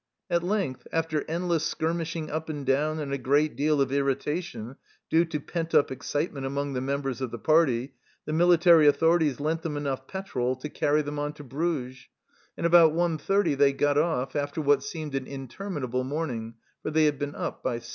At length, after endless skirmishing up and down and a good deal of irritation, due to pent up excitement among the members of the party, the military authorities lent them enough petrol to carry them THE START 11 on to Bruges, and about 1.30 they got off, after what seemed an interminable morning, for they had been up by 6.